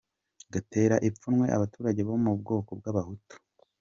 -Gutera ipfunwe abaturage bo mu bwoko bw’abahutu